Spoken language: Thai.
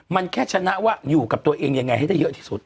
มันแค่ชนะว่าอยู่กับตัวเองยังไงให้ได้เยอะที่สุด